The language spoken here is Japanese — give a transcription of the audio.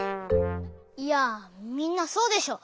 いやみんなそうでしょ！